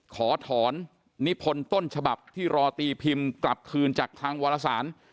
ขอถอนนิพลต้นฉบับที่รอตีพิมพ์กลับคืนจากทางวรสาร